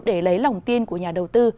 để lấy lòng tin của nhà đầu tư